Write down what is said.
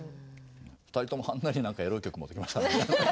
２人ともはんなりエロい曲持ってきましたね。